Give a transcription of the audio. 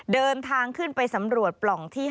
เดินทางขึ้นไปสำรวจปล่องที่๕